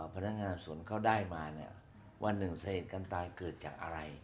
พนักงานสวนเขาได้มาเนี่ยว่าหนึ่งสาเหตุการตายเกิดจากอะไร